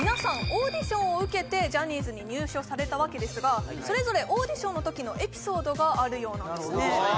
オーディションを受けてジャニーズに入所されたわけですがそれぞれオーディションのときのエピソードがあるようなんですね